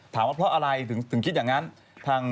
ว่าเพราะอะไรถึงคิดอย่างนั้น